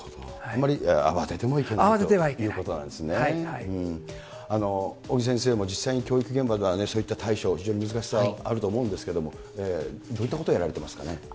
あんまり慌てても慌ててはいけないということ尾木先生も実際に教育現場では、そういった対処、非常に難しさはあると思うんですけれども、どういったことをやられてますかね。